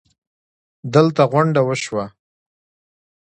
دلته غونډه وشوه